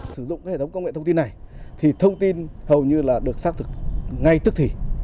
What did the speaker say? sử dụng cái hệ thống công nghệ thông tin này thì thông tin hầu như là được xác thực ngay tức thì